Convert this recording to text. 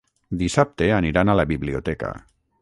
Dissabte aniran a la biblioteca.